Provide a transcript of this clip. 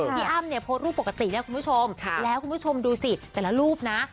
พี่อ้ำเนี่ยโพสต์รูปปกตินะคุณผู้ชมแล้วคุณผู้ชมดูสิแต่ละรูปนะ